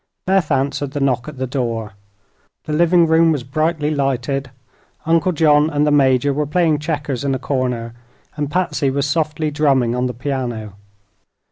Beth answered the knock at the door. The living room was brightly lighted; Uncle John and the Major were playing checkers in a corner and Patsy was softly drumming on the piano.